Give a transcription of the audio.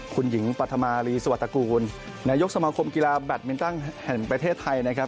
คุณหญิงปฐมารีสวรรกูลนายกสมาคมกีฬาแบตมินตันแห่งประเทศไทยนะครับ